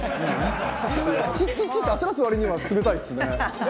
チッチッチッて焦らす割には冷たいですね。